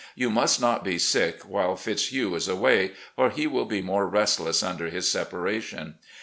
... You must not be sick while Fitzhugh is away, or he will be more restless tmder his separation.